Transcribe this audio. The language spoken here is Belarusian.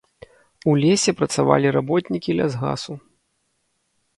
У лесе працавалі работнікі лясгасу.